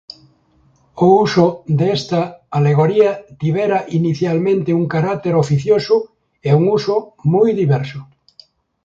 O uso desta alegoría tivera inicialmente un carácter oficioso e un uso moi diverso.